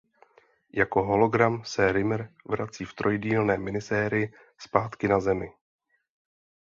Jako hologram se Rimmer vrací v trojdílné minisérii Zpátky na Zemi.